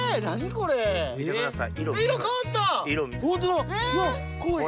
これ見てください！